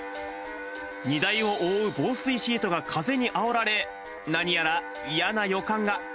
荷台を覆う防水シートが風にあおられ、何やら嫌な予感が。